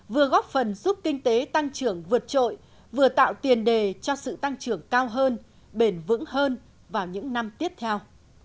vừa góp phần giúp kinh tế tăng trưởng vượt trội vừa tạo tiền đề cho sự tăng trưởng cao hơn bền vững hơn vào những năm tiếp theo